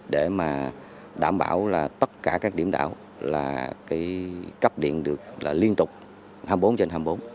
để mà đảm bảo là tất cả các điểm đảo là cấp điện được là liên tục hai mươi bốn trên hai mươi bốn